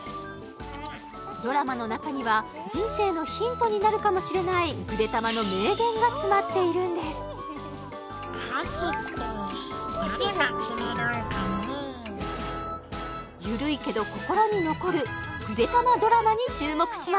ドラマの中には人生のヒントになるかもしれないぐでたまの名言が詰まっているんですゆるいけど心に残る「ぐでたま」